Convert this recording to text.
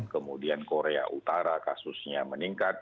kemudian korea utara kasusnya meningkat